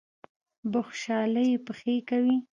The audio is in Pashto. بخْشالۍ یې پېښې کوي.